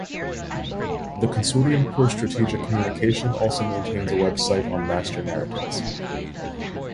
The Consortium for Strategic Communication also maintains a website on master narratives.